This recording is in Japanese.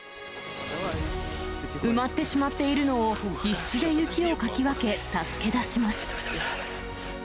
埋まってしまっているのを必死で雪をかき分け、助け出します。